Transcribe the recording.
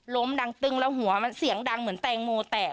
ดังตึงแล้วหัวมันเสียงดังเหมือนแตงโมแตก